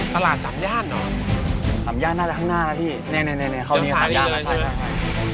สามย่านเหรอสามย่านน่าจะข้างหน้านะพี่เนี่ยเขามีสามย่านนะใช่